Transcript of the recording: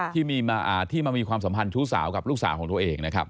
ที่มามีความสัมพันธ์ชู้สาวกับลูกสาวของตัวเองนะครับ